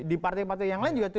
di partai partai yang lain juga